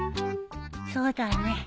そうだね。